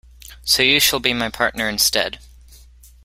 So you shall be my partner instead.